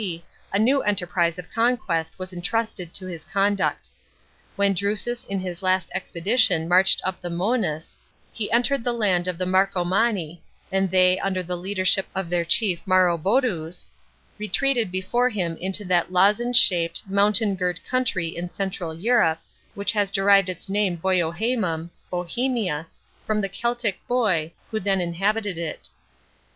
D.) a new enterprise of conquest was entrusted to his conduct. When Drusus in his last expedition marched up the Mcenus, he entered the land of the Marcomanni, and they, under the L adership of their chief Maroboduus, retreated before him into that lozenge shaped, mountain girt country in central En rope, which has derived its name Boiohammm, Bohemia, from the Celtic Boii who then inhabited it.